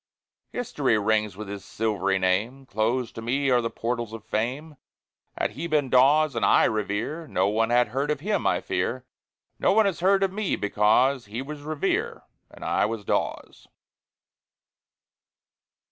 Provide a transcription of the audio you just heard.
History rings with his silvery name; Closed to me are the portals of fame. Had he been Dawes and I Revere, No one had heard of him, I fear. No one has heard of me because He was Revere and I was Dawes.